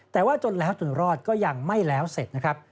แต่ว่าจนแล้วจนรอดก็ยังไม่แล้วเสร็จนะครับ